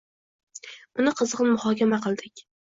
Uni qizg‘in muhokama qildik.